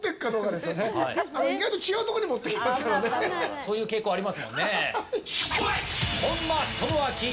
そういう傾向ありますもんね。